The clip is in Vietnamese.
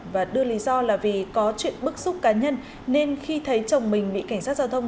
và đưa lý do là vì có chuyện bức xúc cá nhân nên khi thấy chồng mình bị cảnh sát giao thông